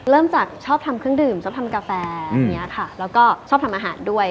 เริ่มจากชอบทำเครื่องดื่มชอบทำกาแฟอย่างนี้ค่ะแล้วก็ชอบทำอาหารด้วย